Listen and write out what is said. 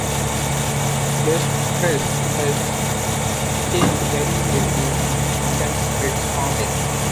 Bastress has changed very little since its founding.